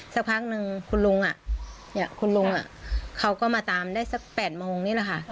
สักพักนึงคุณลุงคุณลุงเขาก็มาตามได้สัก๘โมงนี่แหละค่ะ